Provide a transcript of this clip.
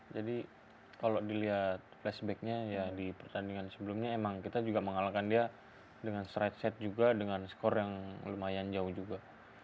jadi kalau dilihat flashbacknya ya di pertandingan sebelumnya emang kita juga mengalahkan dia dengan stride set juga dengan skor yang lumayan jauh juga